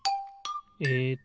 えっと